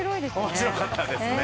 面白かったですね。